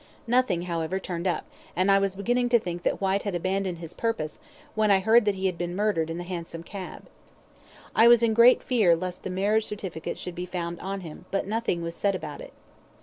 Nothing, however, turned up, and I was beginning to think that Whyte had abandoned his purpose, when I heard that he had been murdered in the hansom cab. I was in great fear lest the marriage certificate should be found on him, but nothing was said about it.